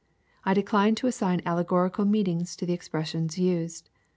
I decline to assign allegorical meanings to the expressions used.